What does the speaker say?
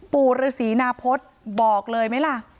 ปู่ฤษีนาพฤษบอกเลยไหมล่ะ